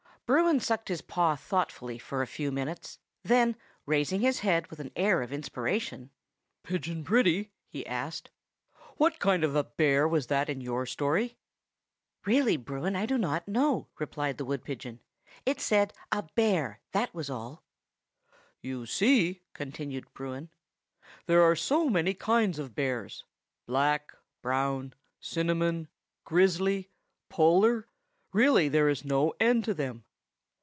Bruin sucked his paw thoughtfully for a few minutes; then, raising his head with an air of inspiration,—"Pigeon Pretty," he asked, "what kind of a bear was that in your story?" "Really, Bruin, I do not know," replied the wood pigeon. "It said 'a bear,' that was all." "You see," continued Bruin, "there are so many kinds of bears,—black, brown, cinnamon, grizzly, polar,—really, there is no end to them.